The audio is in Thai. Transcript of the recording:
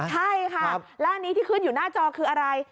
ใช่ค่ะแล้วอันนี้ที่ขึ้นอยู่หน้าจอคืออะไร